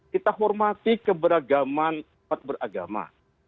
kita hormati keberagaman umat beragama